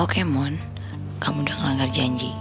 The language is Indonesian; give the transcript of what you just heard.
oke mohon kamu udah ngelanggar janji